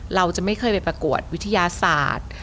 เราจะไม่เคยไปประกวดวิทยาศาสตร์